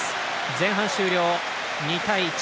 前半終了、２対１。